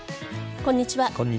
こんにちは。